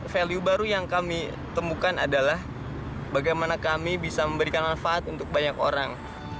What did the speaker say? value baru yang kami temukan adalah bagaimana kami bisa memberikan manfaat untuk banyak orang